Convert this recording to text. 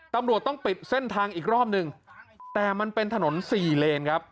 ตำรวจต้องปิดเส้นทางอีกรอบหนึ่งแต่มันเป็นถนนสี่เลนครับ